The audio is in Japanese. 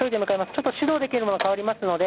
ちょっと指導できる者に代わりますので。